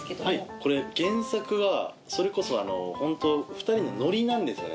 これ原作はそれこそ２人のノリなんですよね